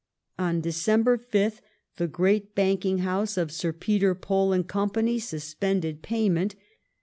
On December 5th the great banking house of Sir Peter Pole & Co. suspended payment.